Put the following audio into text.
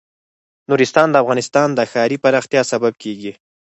نورستان د افغانستان د ښاري پراختیا سبب کېږي.